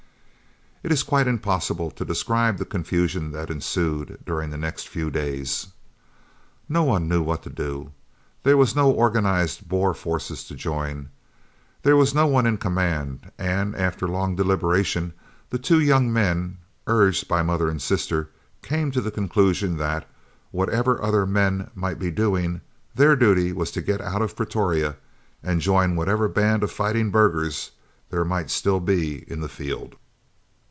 It is quite impossible to describe the confusion that ensued during the next few days. No one knew what to do; there were no organised Boer forces to join, there was no one in command, and, after long deliberation, the two young men, urged by mother and sister, came to the conclusion that, whatever other men might be doing, their duty was to get out of Pretoria and join whatever band of fighting burghers there might still be in the field.